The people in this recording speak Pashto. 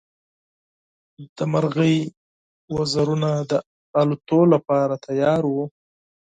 د مرغۍ وزرونه د الوت لپاره تیار وو.